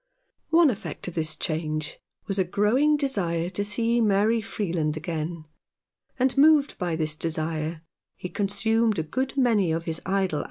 One effect of this change was a growing desire to see Mary Freeland again ; and, moved by this desire, he consumed a good many of his idle 203 Rough Justice.